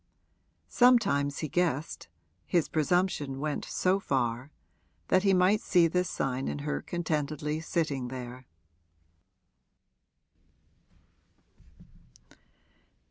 Sometimes he guessed his presumption went so far that he might see this sign in her contentedly sitting there.